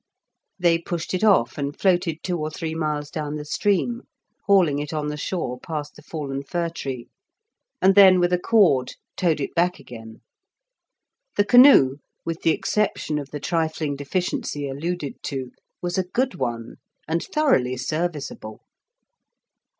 They pushed it off, and floated two or three miles down the stream, hauling it on the shore past the fallen fir tree, and then, with a cord, towed it back again. The canoe, with the exception of the trifling deficiency alluded to, was a good one, and thoroughly serviceable.